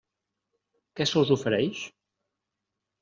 Què se us ofereix?